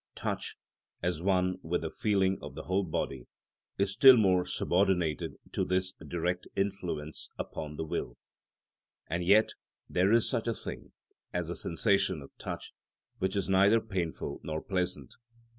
Touch, as one with the feeling of the whole body, is still more subordinated to this direct influence upon the will; and yet there is such a thing as a sensation of touch which is neither painful nor pleasant.